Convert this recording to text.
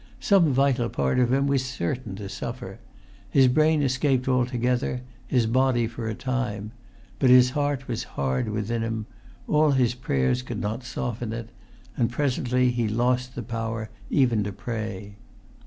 Some vital part of him was certain to suffer. His brain escaped altogether, his body for a time; but his heart was hard within him; all his prayers could not soften it; and presently he lost the power even to pray.